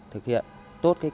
thực hiện tốt cách